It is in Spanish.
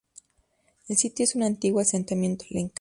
El sitio es un antiguo asentamiento Lenca.